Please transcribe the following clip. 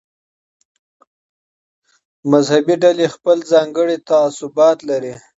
مذهبي ډلې خپل ځانګړي تعصبات لري.